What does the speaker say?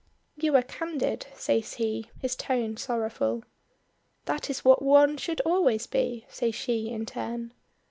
"You are candid,'" says he, his tone sorrowful. "That is what one should always be," says she in turn.